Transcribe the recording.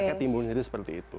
maka timbul nyeri seperti itu